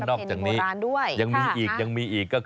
และนอกจากนี้ยังมีอีกยังมีอีก